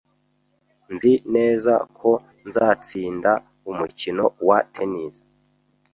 Nzi neza ko nzatsinda umukino wa tennis